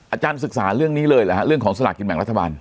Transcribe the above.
อาจารย์ศึกษาเรื่องนี้เลยเหรอฮะเรื่องของสลากกินแบ่งรัฐบาล